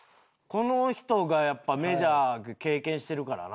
この人がやっぱメジャー経験してるからな。